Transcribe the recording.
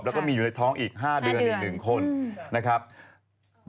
แล้วก็มีอยู่ในท้องอีก๕เดือนอีก๑คนนะครับ